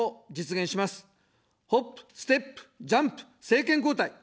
ホップ、ステップ、ジャンプ、政権交代。